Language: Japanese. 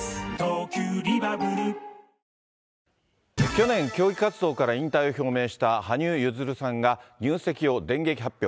去年、競技活動から引退を表明した羽生結弦さんが、入籍を電撃発表。